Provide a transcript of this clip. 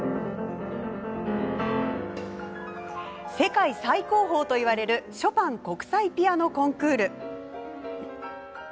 世界最高峰といわれるショパン国際ピアノコンクール。